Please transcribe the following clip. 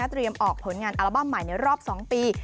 ออกผลงานอัลบั้มใหม่ในรอบ๒ปี